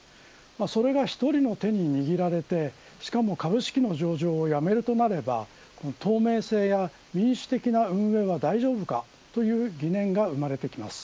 それが一人の手に握られてしかも株式の上場をやめるとなれば透明性や民主的な運営は大丈夫なのかといった疑念が生まれてきます。